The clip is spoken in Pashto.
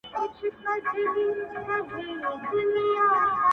بل ځای هم وايي چې سینګار اړین نه دی